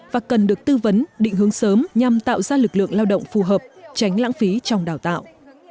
và cần được tư vấn định hướng sớm nhằm tạo ra lực lượng lao động phù hợp tránh lãng phí trong đào tạo